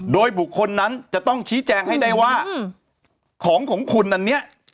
โดยบุคคลนั้นจะต้องชี้แจงให้ได้ว่าของของคุณอันนี้